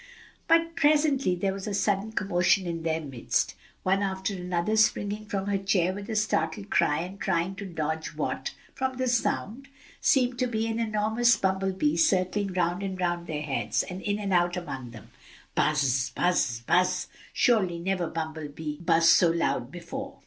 But presently there was a sudden commotion in their midst, one after another springing from her chair with a little startled cry and trying to dodge what, from the sound, seemed to be an enormous bumble bee circling round and round their heads and in and out among them. "Buzz! buzz! buzz!" surely never bumble bee buzzed so loud before.